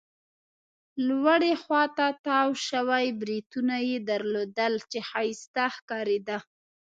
لوړې خوا ته تاو شوي بریتونه يې درلودل، چې ښایسته ښکارېده.